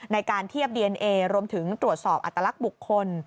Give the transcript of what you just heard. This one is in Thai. ในการเทียบดีเอนเอรวมถึงตรวจสอบอัตลักษณ์บุคคล